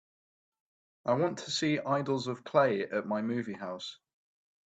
I want to see Idols of Clay at my movie house.